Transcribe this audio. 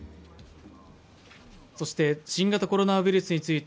新型コロナウイルスについて